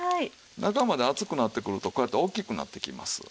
中まで熱くなってくるとこうやって大きくなってきます。